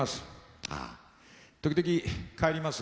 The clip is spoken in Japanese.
時々帰ります。